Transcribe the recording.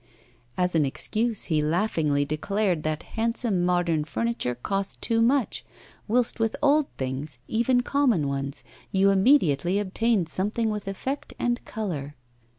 As an excuse, he laughingly declared that handsome modern furniture cost too much, whilst with old things, even common ones, you immediately obtained something with effect and colour.